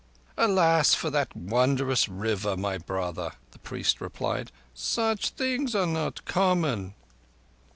"Alas, for that wondrous River, my brother," the priest replied. "Such things are not common."